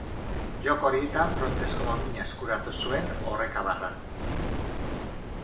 Joko horietan brontzezko domina eskuratu zuen oreka-barran.